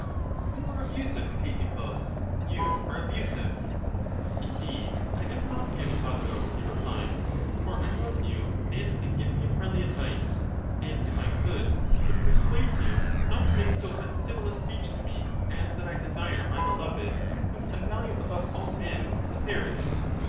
You are abusive, Ctesippus, you are abusive! Indeed, I am not, Dionysodorus, he replied; for I love you and am giving you friendly advice, and, if I could, would persuade you not to make so uncivil a speech to me as that I desire my beloved, whom I value above all men, to perish.